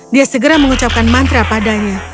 dia segera mengucapkan mantra padanya